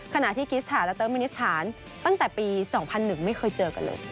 ขณะที่กิสถานและเตอร์มินิสถานตั้งแต่ปี๒๐๐๑ไม่เคยเจอกันเลย